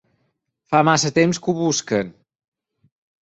Fa massa temps que ho busquen.